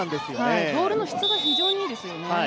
ボールの質が非常にいいですよね。